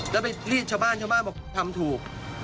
แล้วไปรีดชาวบ้านบอกว่าทำถูก